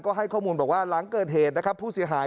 ก็ให้ข้อมูลว่าหลังเกินเหตุผู้เสียหาย